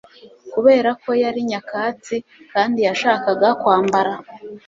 kubera ko yari nyakatsi kandi yashakaga kwambara